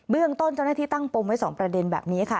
เรื่องต้นเจ้าหน้าที่ตั้งปมไว้๒ประเด็นแบบนี้ค่ะ